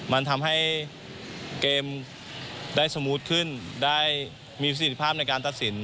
มันทำให้เกมได้สมูทขึ้นได้มีประสิทธิภาพในการตัดสิน